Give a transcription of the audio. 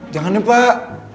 jangan ya pak